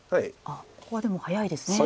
ここはでも早いですね